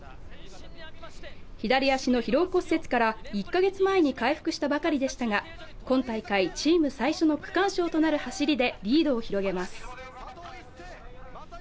左足の疲労骨折から１カ月前に回復したばかりでしたが、今大会、チーム最初の区間賞となる走りでリードを広げます。